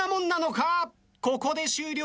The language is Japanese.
ここで終了。